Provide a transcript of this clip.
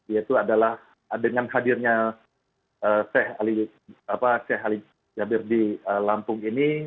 yaitu adalah dengan hadirnya sheikh ali jabir di lampung ini